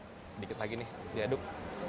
sedikit lagi nih diaduk